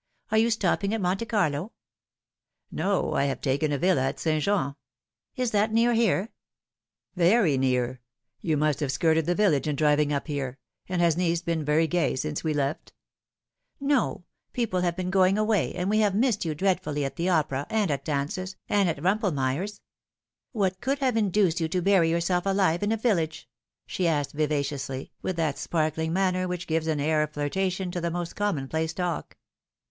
Are you stopping at Monte Carlo ?"" No, I have taken a villa at St. Jean." " Is that near here ?"" Very near. You must have skirted the village in driving np here. And has Nice been very gay since we left ?"" No ; people have been going away, and we have missed you dreadfully at the opera, and at dances, and at Bumpelmeyer's. What could have induced you to bury yourself alive in a vil lage ?" she asked vivaciously, with that sparkling manner which gives an air of flirtation to the most commonplace talk.